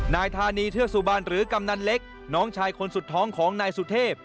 นายธานีเทือกสุบันหรือกำนันเล็กน้องชายคนสุดท้องของนายสุเทพ